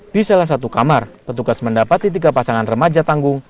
di salah satu kamar petugas mendapati tiga pasangan remaja tanggung